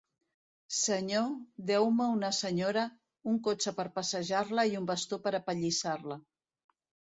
Senyor, deu-me una senyora, un cotxe per passejar-la i un bastó per a apallissar-la.